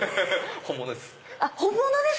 ⁉本物です